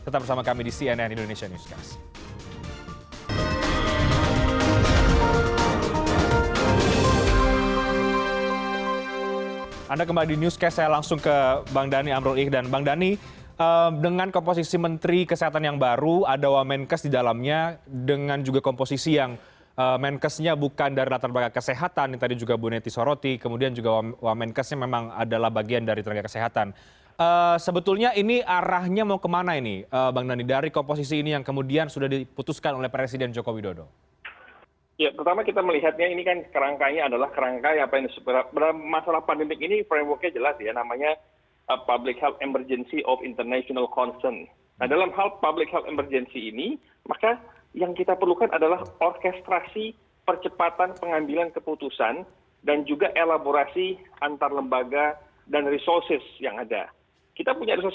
tapi usaha jeda tetap bersama kami di cnn indonesia newscast